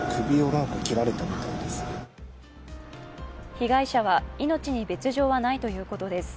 被害者は命に別状はないということです